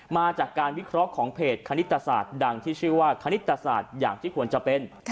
มาจากการวิเคราะห์ของเพจคณิตศาสตร์ดังที่ชื่อว่าคณิตศาสตร์อย่างที่ควรจะเป็น